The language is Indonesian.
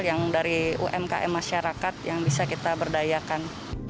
yang dari umkm masyarakat yang bisa kita berdayakan